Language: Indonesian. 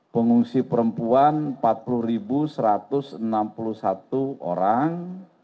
pengungsi perempuan empat puluh satu ratus enam puluh satu orang